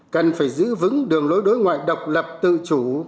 cần phải giữ vững đường lối đối ngoại độc lập tự chủ